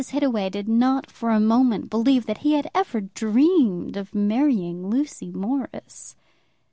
Hittaway did not for a moment believe that he had ever dreamed of marrying Lucy Morris.